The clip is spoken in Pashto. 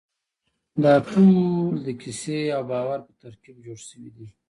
دا ټول د کیسې او باور په ترکیب جوړ شوي دي.